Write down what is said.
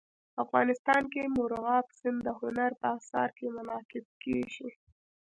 افغانستان کې مورغاب سیند د هنر په اثار کې منعکس کېږي.